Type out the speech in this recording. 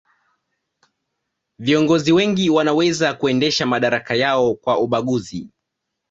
viongozi wengi wanaweza kuendesha madaraka yao kwa ubaguzi